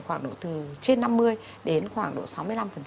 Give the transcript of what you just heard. khoảng độ từ trên năm mươi đến khoảng độ sáu mươi năm